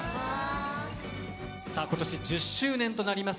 今年１０周年となります